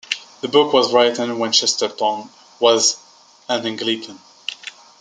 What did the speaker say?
The book was written when Chesterton was an Anglican.